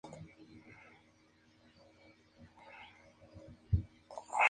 Se distribuye desde el sur de Estados Unidos a Argentina.